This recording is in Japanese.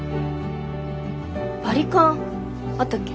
バリカンあったっけ？